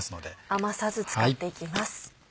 余さず使っていきます。